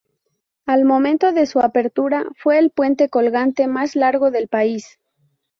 Al momento de su apertura fue el puente colgante más largo del país.